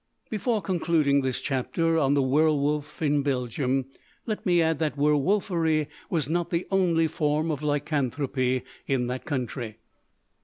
Before concluding this chapter on the werwolf in Belgium, let me add that werwolfery was not the only form of lycanthropy in that country.